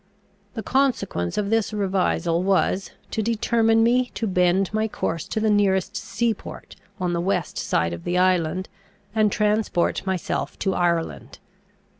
The consequence of this revisal was, to determine me to bend my course to the nearest sea port on the west side of the island, and transport myself to Ireland.